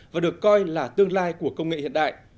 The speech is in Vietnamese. và được coi là tương lai của công nghệ hiện đại